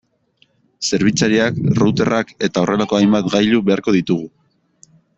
Zerbitzariak, routerrak eta horrelako hainbat gailu beharko ditugu.